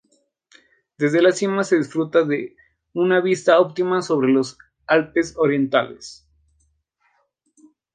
Desde la cima se disfruta de una vista óptima sobre los Alpes orientales.